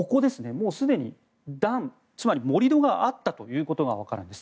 もうすでに段、つまり盛り土があったということがわかるんです。